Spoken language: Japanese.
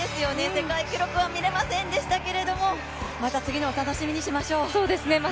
世界記録は見れませんでしたけれども、また次の楽しみにしましょう。